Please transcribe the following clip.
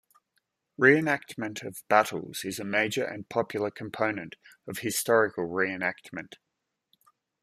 Reenactment of battles is a major and popular component of historical reenactment.